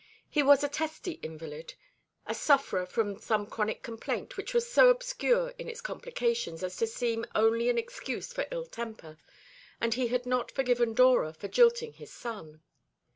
He was a testy invalid, a sufferer from some chronic complaint which was so obscure in its complications as to seem only an excuse for ill temper, and he had not forgiven Dora for jilting his son.